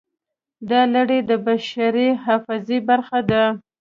دا لړۍ د بشري حافظې برخه ده.